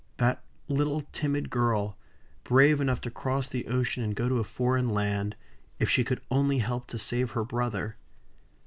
That little timid girl brave enough to cross the ocean and go to a foreign land, if she could only help to save her brother!